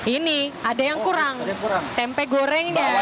ini ada yang kurang tempe gorengnya